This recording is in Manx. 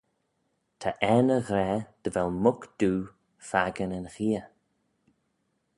Ta er ny ghra dy vel muck doo fakin yn gheay.